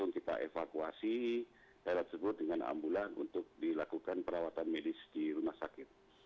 kita evakuasi daerah tersebut dengan ambulan untuk dilakukan perawatan medis di rumah sakit